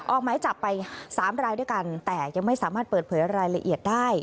ออกหมายจับไป๓รายด้วยกันแต่ยังไม่สามารถเปิดเผยรายละเอียดได้